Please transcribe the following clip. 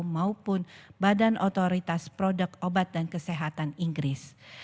maupun badan otoritas produk obat dan kesehatan inggris